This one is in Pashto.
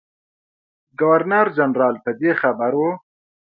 ګورنر جنرال په دې خبر وو.